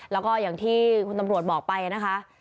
แล้วก็อย่างที่คุณตำรวจบอกไปนะคะ